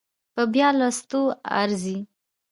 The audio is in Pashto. په بيا لوستو ارزي